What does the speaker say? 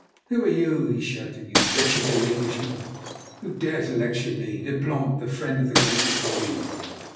"Who are you," he shouted, "you wretched little Englishman, who dare to lecture me, Leblanc, the friend of the great Napoleon?"